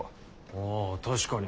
あぁ確かに。